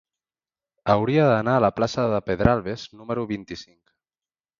Hauria d'anar a la plaça de Pedralbes número vint-i-cinc.